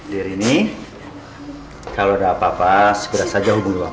diri ini kalau ada apa apa segera saja hubungi bapak